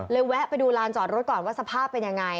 แวะไปดูลานจอดรถก่อนว่าสภาพเป็นยังไง